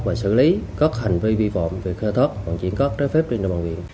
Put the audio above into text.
và xử lý các hành vi vi vọng về khai thác hoàn chuyển cát trái phép trên bàn nguyện